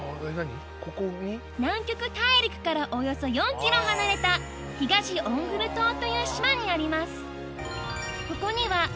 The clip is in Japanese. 南極大陸からおよそ４キロ離れた東オングル島という島にあります